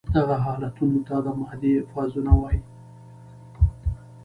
دغه حالتونو ته د مادې فازونه وايي.